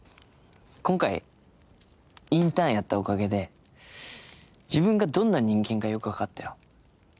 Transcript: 今回インターンやったおかげで自分がどんな人間かよく分かったよ。